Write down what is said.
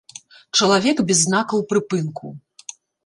Чалавек без знакаў прыпынку.